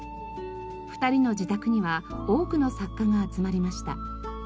２人の自宅には多くの作家が集まりました。